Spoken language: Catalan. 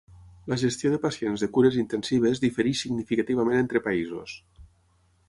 La gestió de pacients de cures intensives difereix significativament entre països.